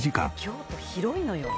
京都広いのよ。